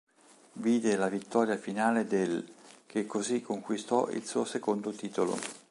Vide la vittoria finale dell', che così conquistò il suo secondo titolo.